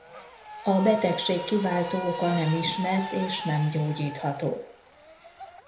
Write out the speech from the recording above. A betegség kiváltó oka nem ismert és nem gyógyítható.